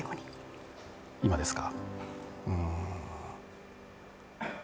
今ですか。